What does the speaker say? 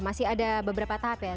masih ada beberapa tahap ya